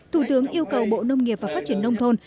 thủ tướng yêu cầu bộ nông nghiệp và phát triển nông thôn